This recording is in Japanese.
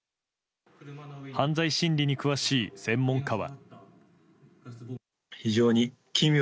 犯罪心理に詳しい専門家は。